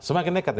semakin nekat ya